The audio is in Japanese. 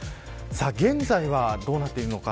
現在はどうなっているのか。